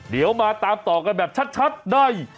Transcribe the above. เดี๋ยวมาตามต่อกันแบบชัดใน